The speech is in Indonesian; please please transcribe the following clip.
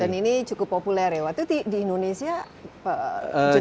dan ini cukup populer ya waktu itu di indonesia jenis jenis mobil